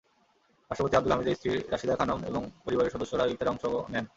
রাষ্ট্রপতি আবদুল হামিদের স্ত্রী রাশিদা খানম এবং পরিবারের সদস্যরাও ইফতারে অংশ নেন।